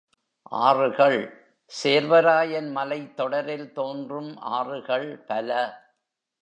ஆறுகள் சேர்வராயன் மலைத்தொடரில் தோன்றும் ஆறுகள் பல.